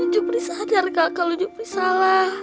jepri sadar kak kalau jepri salah